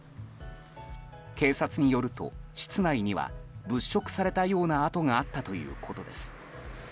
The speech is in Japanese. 警察によると、室内には物色されたような跡があったということです。